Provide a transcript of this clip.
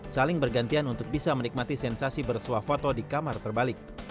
saling bergantian untuk bisa menikmati sensasi bersuah foto di kamar terbalik